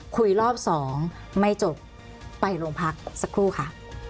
คุยรอบสองไม่จบไปโรงพักสักครู่ค่ะ